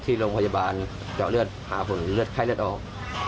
ที่โรงพยาบาลเจาะเลือดหาผลเลือดไข้เลือดออก